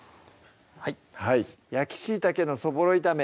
はいはい「焼きしいたけのそぼろ炒め」